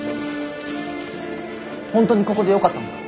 本当にここでよかったんですか？